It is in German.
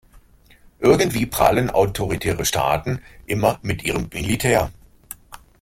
Irgendwie prahlen autoritäre Staaten immer mit ihrem Militär.